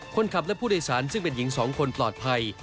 คนขับและผู้โดยสารซึ่งเป็นหญิง๒คนปลอดภัย